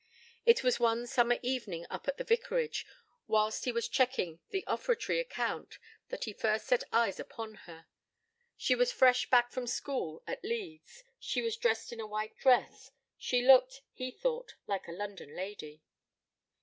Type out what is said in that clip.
It was one summer evening, up at the vicarage, whilst he was checking the offertory account, that he first set eyes upon her. She was fresh back from school at Leeds: she was dressed in a white dress: she looked, he thought, like a London lady.